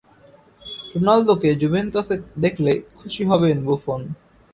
রোনালদোকে জুভেন্টাসে দেখলে খুশি হবেন বুফন